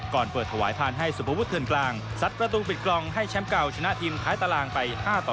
ก่อนเปิดถวายผ่านให้สุภวุฒเทือนกลางสัดประตูปิดกล่องให้แชมป์เก่าชนะทีมท้ายตารางไป๕ต่อ